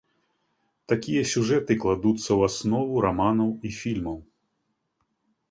Такія сюжэты кладуцца ў аснову раманаў і фільмаў.